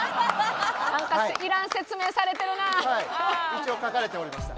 一応書かれておりました。